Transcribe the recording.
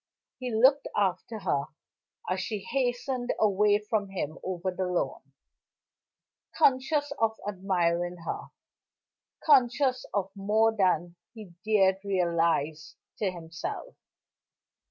He looked after her as she hastened away from him over the lawn; conscious of admiring her, conscious of more than he dared realize to himself.